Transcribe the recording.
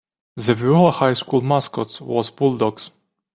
The Viola High School mascot was Bulldogs.